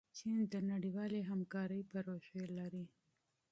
چین د نړیوالې همکارۍ پروژې لري.